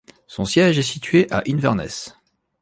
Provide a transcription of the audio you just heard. Son siège est situé à Inverness.